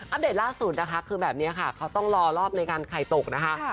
เดตล่าสุดนะคะคือแบบนี้ค่ะเขาต้องรอรอบในการไข่ตกนะคะ